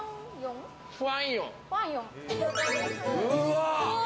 うわ！